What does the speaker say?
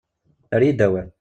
Err-iyi-d awal.